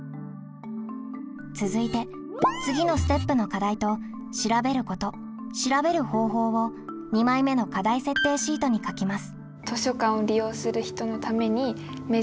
続いて次のステップの課題と「調べること」「調べる方法」を２枚目の課題設定シートに書きます。